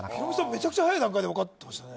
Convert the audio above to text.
めちゃくちゃはやい段階で分かってましたね